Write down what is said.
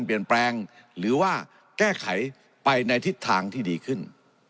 เปลี่ยนแปลงหรือว่าแก้ไขไปในทิศทางที่ดีขึ้น